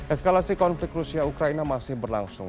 eskalasi konflik rusia ukraina masih berlangsung